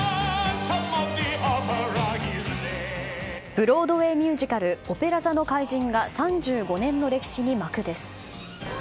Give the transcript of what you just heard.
ブロードウェーミュージカル「オペラ座の怪人」が３５年の歴史に幕です。